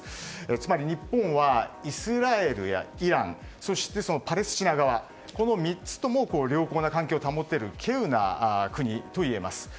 つまり日本はイスラエルやイランそして、パレスチナ側この３つとも良好な関係を保っている稀有な国とも言えます。